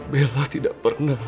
bella tidak pernah